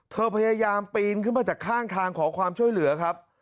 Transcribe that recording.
พยายามปีนขึ้นมาจากข้างทางขอความช่วยเหลือครับ